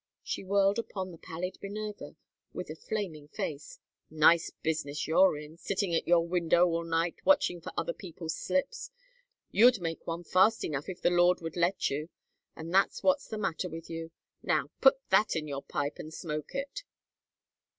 She whirled upon the pallid Minerva with a flaming face. "Nice business you're in sitting at your window all night watching for other people's slips. You'd make one fast enough if the Lord would let you, and that's what's the matter with you. Now, put that in your pipe and smoke it."